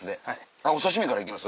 あっお刺し身から行きます？